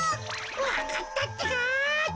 わかったってか！